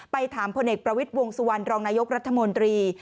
ถามพลเอกประวิทย์วงสุวรรณรองนายกรัฐมนตรี